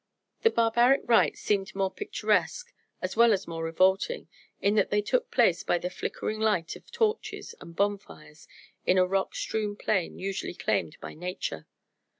The barbaric rites seemed more picturesque, as well as more revolting, in that they took place by the flickering light of torches and bonfires in a rock strewn plain usually claimed by nature.